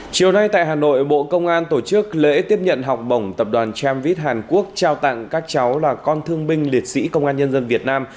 chiều nay tại hà nội bộ công an tổ chức lễ tiếp nhận học bổng tập đoàn tramvit hàn quốc trao tặng các cháu là con thương binh liệt sĩ công an nhân dân việt nam